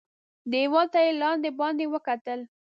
دېوال ته یې لاندي باندي وکتل .